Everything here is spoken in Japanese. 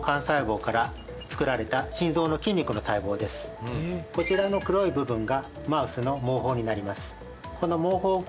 これはこちらの黒い部分がマウスの毛包になります。